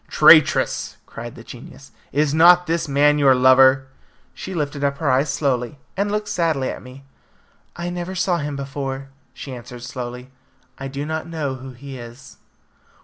"Traitress!" cried the genius, "is not this man your lover?" She lifted up her eyes slowly, and looked sadly at me. "I never saw him before," she answered slowly. "I do not know who he is."